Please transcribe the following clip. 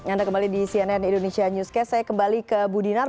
ya anda kembali di cnn indonesia newscast saya kembali ke bu dinar